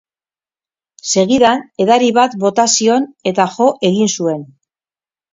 Segidan, edari bat bota zion, eta jo egin zuen.